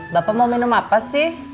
bapak mau minum apa sih